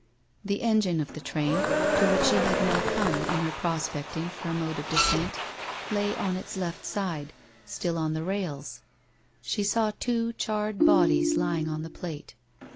The engine of the train, to which she had now come in her prospecting for a mode of descent, lay on its left side, still on the rails. She saw two charred bodies lying on the plate.